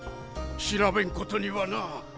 調べんことにはな。